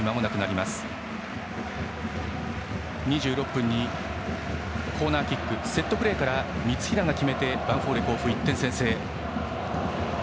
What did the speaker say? ２６分にコーナーキックセットプレーから三平が決めてヴァンフォーレ甲府、１点先制。